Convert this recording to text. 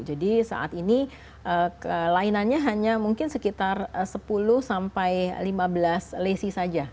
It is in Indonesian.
jadi saat ini kelainannya hanya mungkin sekitar sepuluh sampai lima belas lesi saja